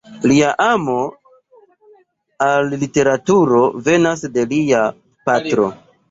Lia amo al literaturo venas de lia patro.